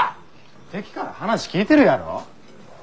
テキから話聞いてるやろ？